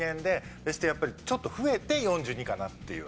そしてやっぱりちょっと増えて４２かなっていう私の。